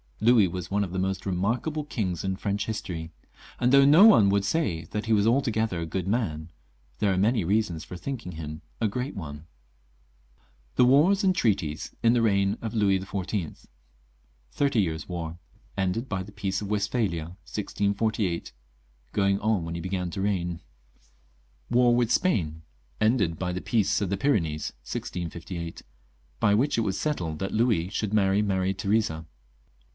Louis was one of the most remarkable kings in French history ; and though no one would say that he was altogether a good man, there are many reasons for thinking him a great one. The Wars and Treaties in the Reign op Louis XIV. Thirty Years' War. Ended by the Peace of Westphalia, 1648. (Going on when he began to leign.) War with Spain. Ended by the Peace of the Pyrenees, 1658. (By which it was settled that Louis should marry Maria Theresa.)